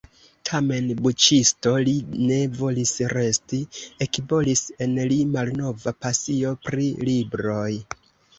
Tamen buĉisto li ne volis resti: ekbolis en li malnova pasio pri libroj.